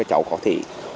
cháu có thể